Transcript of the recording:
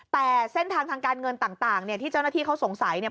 แต่เส้นทางทางการเงินต่างเนี่ยที่เจ้าหน้าที่เขาสงสัยเนี่ย